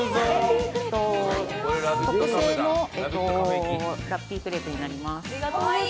特製のラッピークレープになります。